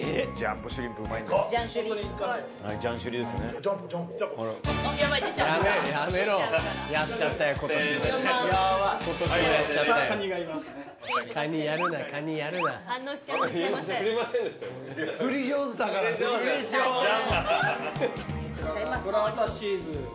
ブッラータチーズ。